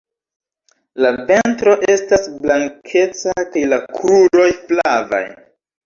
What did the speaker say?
La ventro estas blankeca kaj la kruroj flavaj.